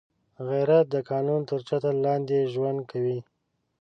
غیرت د قانون تر چتر لاندې ژوند کوي